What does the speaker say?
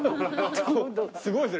すごいですね。